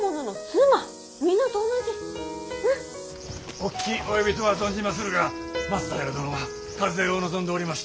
お聞き及びとは存じまするが松平殿は加勢を望んでおりまして。